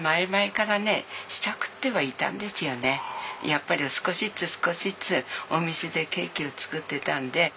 やっぱり少しずつ少しずつお店でケーキを作ってたんで。